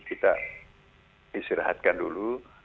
kita istirahatkan dulu ya